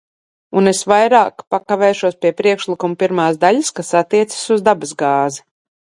Un es vairāk pakavēšos pie priekšlikuma pirmās daļas, kas attiecas uz dabasgāzi.